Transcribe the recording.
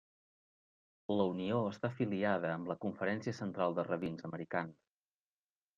La unió està afiliada amb la Conferència Central de Rabins Americans.